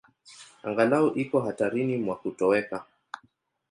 Angalau iko hatarini mwa kutoweka.